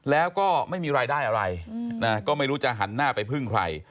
แล้วก็ไม่มีรายได้อะไรนะก็ไม่รู้จะหันหน้าไปพึ่งใคร